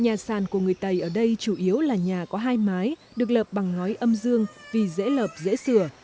nhà sàn của người tày ở đây chủ yếu là nhà có hai mái được lợp bằng ngói âm dương vì dễ lợp dễ sửa